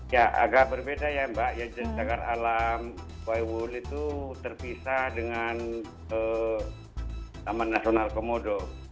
ya agak berbeda ya mbak cagar alam dan waywool itu terpisah dengan taman nasional komodo